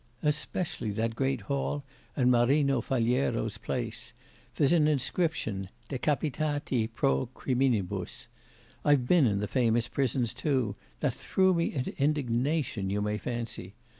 Especially that great hall and Marino Faliero's place: there's an inscription: decapitati pro criminibus. I've been in the famous prisons too; that threw me into indignation, you may fancy.